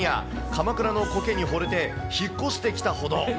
鎌倉のコケにほれて引っ越してきたほど。